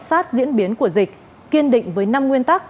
sát diễn biến của dịch kiên định với năm nguyên tắc